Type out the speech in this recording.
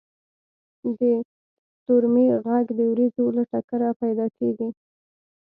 • د ستورمې ږغ د ورېځو له ټکره پیدا کېږي.